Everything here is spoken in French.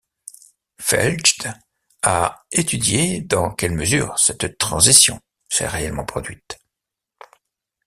Fjeld a étudié dans quelle mesure cette transition s’est réellement produite.